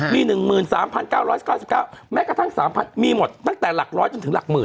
มี๑๓๙๙๙แม้กระทั่ง๓๐๐มีหมดตั้งแต่หลักร้อยจนถึงหลักหมื่น